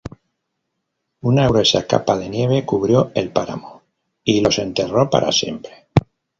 Una gruesa capa de nieve cubrió el páramo y los enterró para siempre.